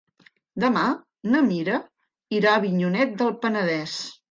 Demà na Mira irà a Avinyonet del Penedès.